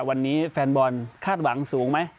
วันนี้แฟนบอลคาดหวังสูงไหม